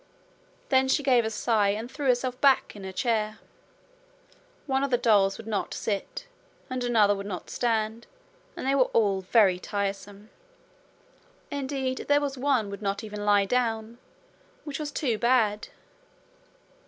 Then she gave a sigh and threw herself back in her chair. One of the dolls would not sit, and another would not stand, and they were all very tiresome. Indeed, there was one would not even lie down, which was too bad.